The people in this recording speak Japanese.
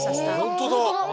本当だ！